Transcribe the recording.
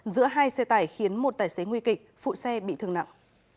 giữa hai xe tải khiến một tài xế nguy kịch phụ xe bị thương nặng